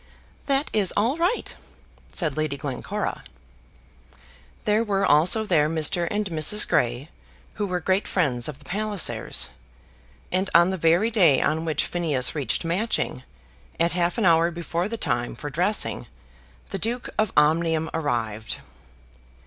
"That is all right," said Lady Glencora. There were also there Mr. and Mrs. Grey, who were great friends of the Pallisers, and on the very day on which Phineas reached Matching, at half an hour before the time for dressing, the Duke of Omnium arrived.